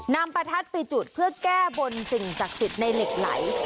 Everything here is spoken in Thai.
นำประทัดไปจุดเพื่อแก้บนสิ่งจักษิตในเหล็กไหล